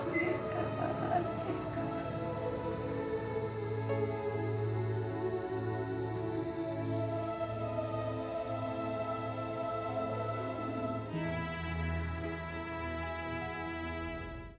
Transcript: aku ingin kapanan dikasih